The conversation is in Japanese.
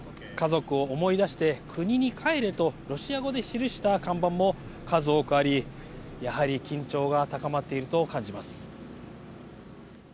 家族を思い出して国に帰れとロシア語で記した看板も数多くありやはり、緊張が高まっていると感じます。